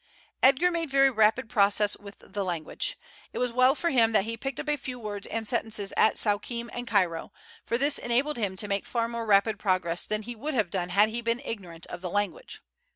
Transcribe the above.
Edgar made very rapid progress with the language. It was well for him that he had picked up a few words and sentences at Suakim and Cairo, for this enabled him to make far more rapid progress than he would have done had he been ignorant of the language.